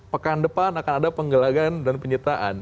pekan depan akan ada penggelagan dan penyitaan